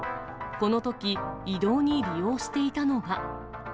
このとき、移動に利用していたのが。